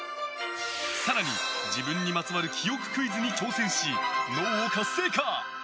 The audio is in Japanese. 更に、自分にまつわる記憶クイズに挑戦し脳を活性化。